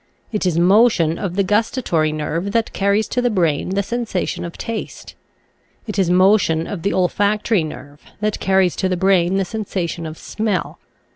It is motion of the gustatory nerve that carries to the brain the sensation of taste. It is mo tion of the olfactory nerve that carries to the brain the sensation of smell.